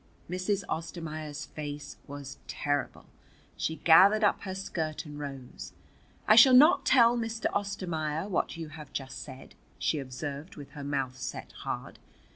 Mrs. Ostermaier's face was terrible. She gathered up her skirt and rose. "I shall not tell Mr. Ostermaier what you have just said," she observed with her mouth set hard.